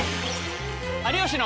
「有吉の」。